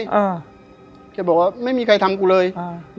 อ่าแกบอกว่าไม่มีใครทำกูเลยอ่า